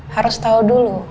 harus tahu dulu